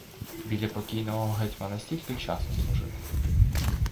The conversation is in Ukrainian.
Біля покійного гетьмана стільки часу служив.